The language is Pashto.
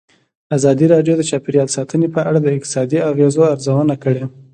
ازادي راډیو د چاپیریال ساتنه په اړه د اقتصادي اغېزو ارزونه کړې.